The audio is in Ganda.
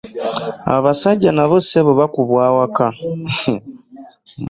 Abaasajja nabo ssebo bakubwa awaka.